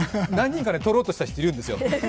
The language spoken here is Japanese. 何人か、とろうとした人いるんですよ。